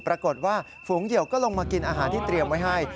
ปรากฏว่าฝูงเดี่ยวก็ลงมากินอาหารที่เตรียมไว้ให้